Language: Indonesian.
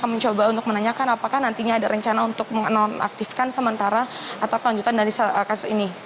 kami mencoba untuk menanyakan apakah nantinya ada rencana untuk menonaktifkan sementara atau kelanjutan dari kasus ini